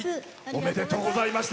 おめでとうございます。